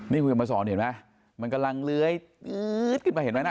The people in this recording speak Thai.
นี่คุณกำลังมาสอนเห็นไหมมันกำลังเลื้อยอื้ดกินไปเห็นไหม